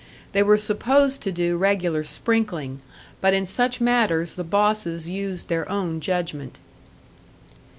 They were supposed to do regular sprinkling, but in such matters the bosses used their own judgment.